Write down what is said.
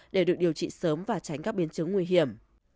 để được điều trị sớm và tránh các biến chứng nguy hiểm